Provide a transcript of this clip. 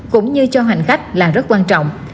cũng như cho hành khách là rất quan trọng